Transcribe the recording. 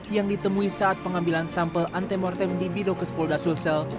yang ditemui saat pengambilan sampel antemortem di bidokkespolda sulsel